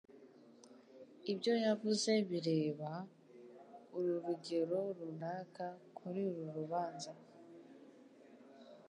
Ibyo yavuze bireba, ku rugero runaka, kuri uru rubanza